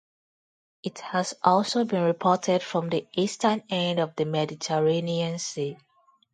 It has also been reported from the eastern end of the Mediterranean Sea.